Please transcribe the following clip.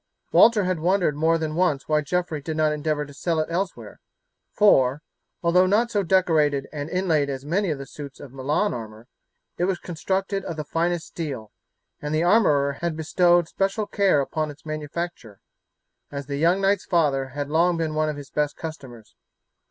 Walter had wondered more than once why Geoffrey did not endeavour to sell it elsewhere, for, although not so decorated and inlaid as many of the suits of Milan armour, it was constructed of the finest steel, and the armourer had bestowed special care upon its manufacture, as the young knight's father had long been one of his best customers.